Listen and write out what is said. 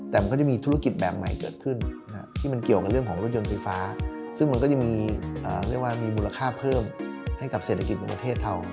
แต่มันก็จะมีธุรกิจแบบใหม่เกิดขึ้นที่มันเกี่ยวกับเรื่องของรถยนต์ไฟฟ้า